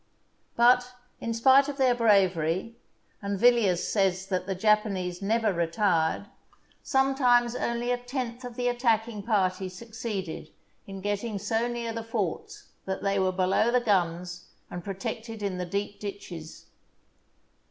But, in spite of their bravery (and Villiers says that the Japanese never retired) , sometimes only a tenth of the attack ing party succeeded in getting so near the forts that they were below the guns and protected in the deep ditches.